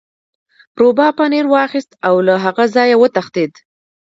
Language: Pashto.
روباه پنیر واخیست او له هغه ځایه وتښتید.